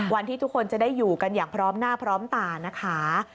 วันที่ทุกคนจะได้อยู่กันอย่างพร้อมหน้าพร้อมตานะคะ